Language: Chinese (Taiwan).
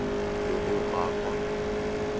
有沒有八卦